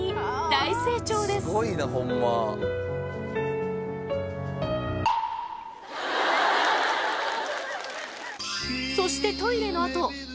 大成長ですそしてトイレの後